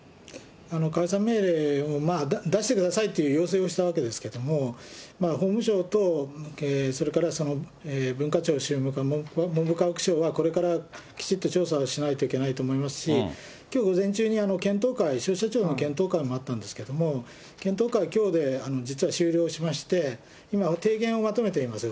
解散命令を出してくださいっていう要請をしたわけですけども、法務省と、それから文化庁宗務課、文部科学省はこれからきちっと調査をしないといけないと思いますし、きょう午前中に検討会、消費者庁の検討会もあったんですけど、検討会、きょうで実は終了しまして、今、提言をまとめています。